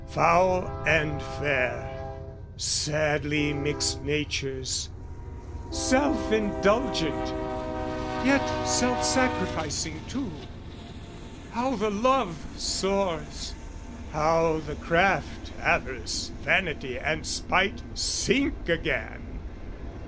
Foul and fair, Sadly mixed natures: self indulgent, yet Self sacrificing too: how the love soars, How the craft, avarice, vanity and spite Sink again!